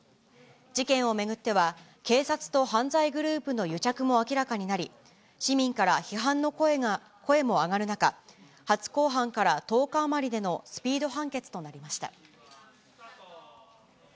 事件を巡っては、警察と犯罪グループの癒着も明らかになり、市民から批判の声も上がる中、初公判から１０日余りでのスピード判決となりました。